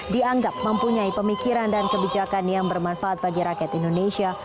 dianggap mempunyai pemikiran dan kebijakan yang bermanfaat bagi rakyat indonesia